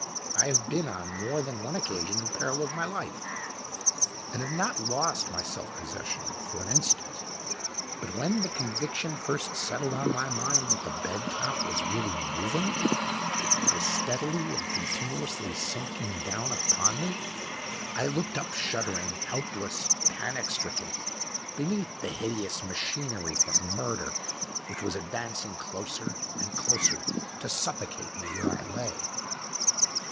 I have been on more than one occasion in peril of my life, and have not lost my self possession for an instant; but when the conviction first settled on my mind that the bed top was really moving, was steadily and continuously sinking down upon me, I looked up shuddering, helpless, panic stricken, beneath the hideous machinery for murder, which was advancing closer and closer to suffocate me where I lay.